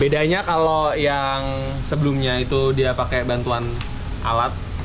bedanya kalau yang sebelumnya itu dia pakai bantuan alat